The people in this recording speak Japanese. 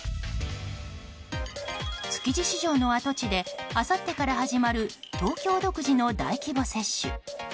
築地市場の跡地であさってから始まる東京独自の大規模接種。